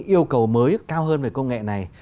yêu cầu mới cao hơn về công nghệ này